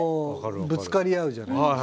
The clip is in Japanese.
ぶつかり合うじゃないですか。